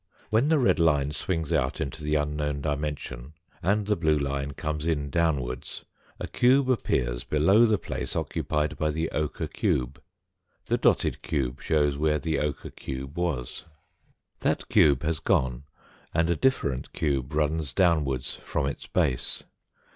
When the red line swings out into the unknown dimension, and the blue line comes in downwards, a cube appears below the place occupied by the ochre cube. The dotted cube shows where the ochre cube was. That cube has gone and a different cube runs downwards from its base.